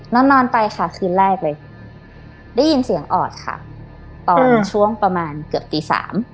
นอนนอนไปค่ะคืนแรกเลยได้ยินเสียงออดค่ะตอนช่วงประมาณเกือบตีสาม